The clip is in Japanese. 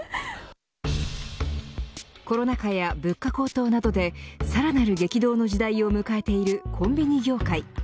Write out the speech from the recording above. コロナ禍や物価高騰などでさらなる激動の時代を迎えているコンビニ業界。